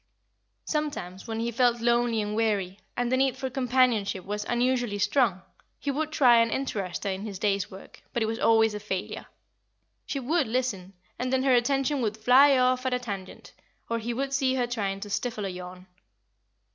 Sometimes, when he felt lonely and weary, and the need for companionship was unusually strong, he would try and interest her in his day's work; but it was always a failure. She would listen, and then her attention would fly off at a tangent, or he would see her trying to stifle a yawn.